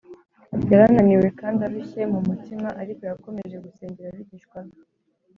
yari ananiwe kandi arushye mu mutima, ariko yakomeje gusengera abigishwa be